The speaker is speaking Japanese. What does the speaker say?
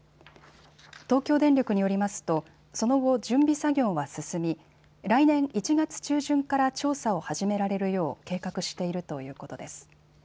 東京電力によりますとその後、準備作業は進み来年１月中旬から調査を始められるよう計画しているということです。